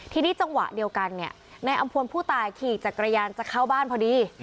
ทีนี้จังหวะเดียวกันเนี่ยนายอำพวนผู้ตายขี่จักรยานจะเข้าบ้านพอดี